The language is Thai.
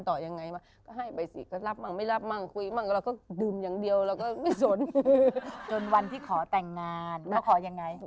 แต่ก็แกเป็นคนเฉยนิ่งอะไรก็ได้